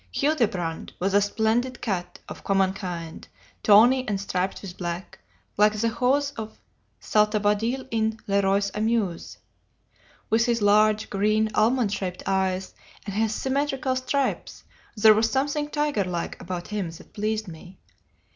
Childebrand was a splendid cat of common kind, tawny and striped with black, like the hose of Saltabadil in 'Le Rois' Amuse.' With his large, green, almond shaped eyes, and his symmetrical stripes, there was something tigerlike about him that pleased me.